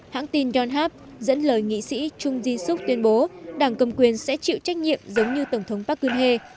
hãng tin john hap dẫn lời nghị sĩ chung jin suk tuyên bố đảng cầm quyền sẽ chịu trách nhiệm giống như tổng thống park geun hye